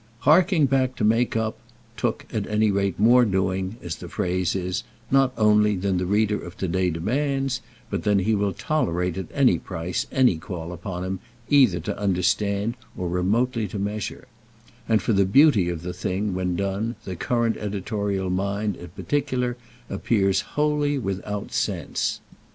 "Harking back to make up" took at any rate more doing, as the phrase is, not only than the reader of to day demands, but than he will tolerate at any price any call upon him either to understand or remotely to measure; and for the beauty of the thing when done the current editorial mind in particular appears wholly without sense.